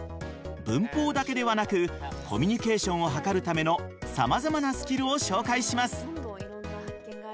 文法だけではなくコミュニケーションをはかるためのさまざまなスキルを紹介します。